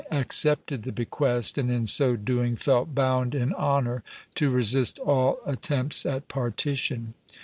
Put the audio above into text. accepted the bequest, and in so doing felt bound in honor to resist all attempts at partition.